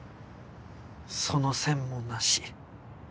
その線もなし。